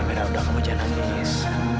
amirah udah kamu jangan nangis